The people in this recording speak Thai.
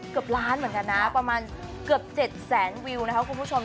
เกือบล้านเหมือนกันนะประมาณเกือบ๗แสนวิวนะครับคุณผู้ชม